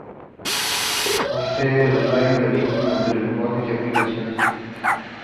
Provee al usuario de un vínculo entre lenguajes y aplicaciones.